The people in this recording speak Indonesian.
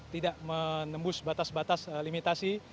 tidak menembus batas batas limitasi